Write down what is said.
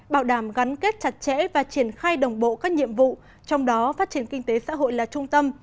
bảo đảm gắn kết chặt chẽ và triển khai đồng bộ các nhiệm vụ trong đó phát triển kinh tế xã hội là trung tâm